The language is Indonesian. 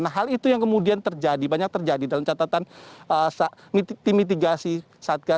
nah hal itu yang kemudian terjadi banyak terjadi dalam catatan tim mitigasi satgas